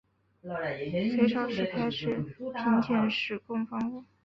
隋朝时开始频遣使贡方物。